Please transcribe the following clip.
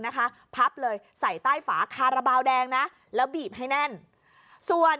พับเลยใส่ใต้ฝาคาราบาลแดงนะแล้วบีบให้แน่นส่วน